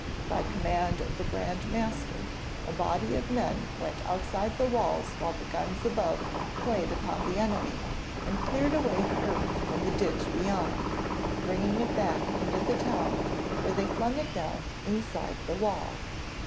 By command of the Grand Master a body of men went outside the walls while the guns above played upon the enemy, and cleared away the earth from the ditch beyond, bringing it back into the town where they flung it down inside the wall.